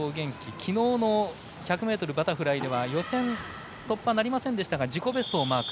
昨日の１００ｍバタフライでは予選突破はなりませんでしたが自己ベストをマーク。